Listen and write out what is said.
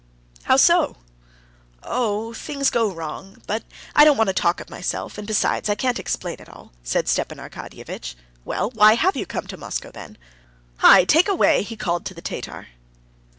"How so?" "Oh, things go wrong. But I don't want to talk of myself, and besides I can't explain it all," said Stepan Arkadyevitch. "Well, why have you come to Moscow, then?... Hi! take away!" he called to the Tatar.